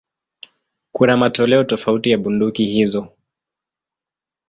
Kuna matoleo tofauti ya bunduki hizo.